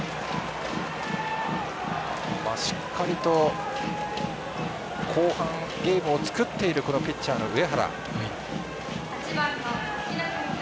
しっかりと後半ゲームを作っているピッチャーの上原。